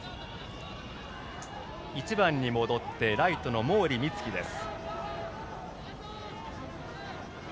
１番に戻ってライトの毛利光希です。